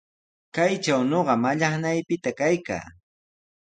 Kaytraw ñuqa mallaqnaypita kaykaa.